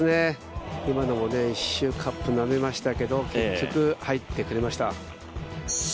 今のも一瞬カップをなめましたけれども、結局入ってくれました。